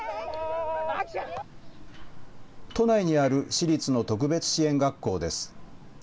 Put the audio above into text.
都内にある私立の特別支援学校です。